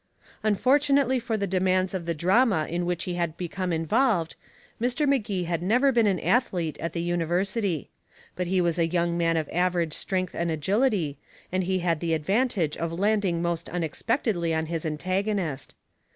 Unfortunately for the demands of the drama in which he had become involved, Mr. Magee had never been an athlete at the university. But he was a young man of average strength and agility, and he had the advantage of landing most unexpectedly on his antagonist.